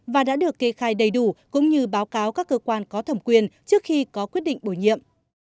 và đã được kê khai đầy đủ cũng như báo cáo các cơ quan có thẩm quyền trước khi có quyết định bổ nhiệm